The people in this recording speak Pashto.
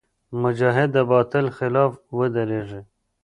مجاهد د باطل خلاف ودریږي.